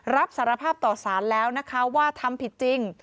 รับสารภาพต่อสารแล้วนะคะว่าทำผิดจริง